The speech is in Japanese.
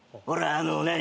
あの何？